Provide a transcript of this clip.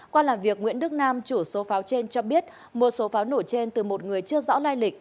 qua làm việc nguyễn đức nam chủ số pháo trên cho biết mua số pháo nổ trên từ một người chưa rõ lai lịch